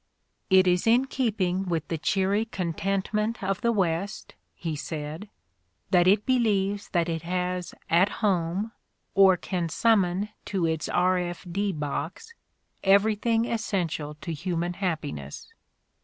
"It is in keeping with the cheery con The Gilded Age 71 tentment of the West," he said, "that it believes that it has 'at home' or can summon to its R. F. D. box everything essential to human happiness."